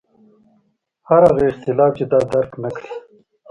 هر هغه اختلاف چې دا درک نکړي.